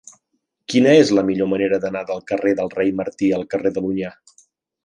Quina és la millor manera d'anar del carrer del Rei Martí al carrer de l'Onyar?